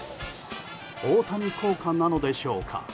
大谷効果なのでしょうか。